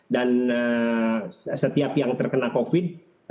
dan setiap yang terkena covid sembilan belas